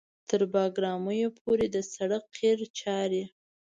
تر بګرامیو پورې د سړک قیر چارې